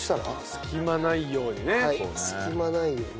隙間ないようにね。